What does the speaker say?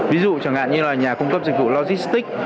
ví dụ như nhà cung cấp dịch vụ logistic